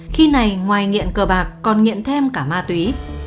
khi này ngoài nghiện cờ bạc còn nghiện thêm cả ma túy